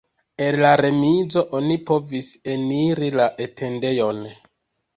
El la remizo oni povis eniri la atendejon.